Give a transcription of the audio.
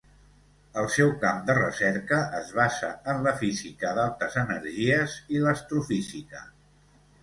El seu camp de recerca es basa en la física d'altes energies i l'astrofísica.